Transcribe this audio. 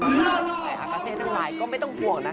แต่อากาเซทั้งหลายก็ไม่ต้องห่วงนะคะ